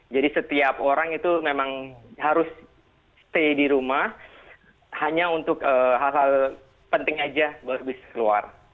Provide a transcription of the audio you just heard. jadi setiap orang itu memang harus stay di rumah hanya untuk hal hal penting aja baru bisa keluar